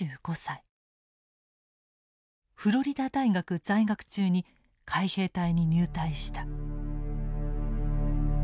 フロリダ大学在学中に海兵隊に入隊した。